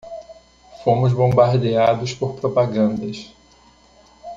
Fomos bombardeados por propagandas